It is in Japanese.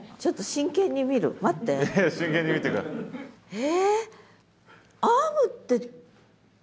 え。